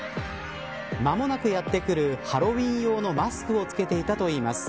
間もなくやってくるハロウィーン用のマスクを着けていたといいます。